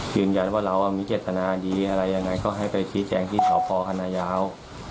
ยืนยันว่าเรามีเจตนาดีอะไรยังไงก็ให้ไปชี้แจงที่สพคณะยาว